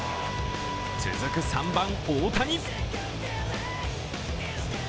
続く３番・大谷。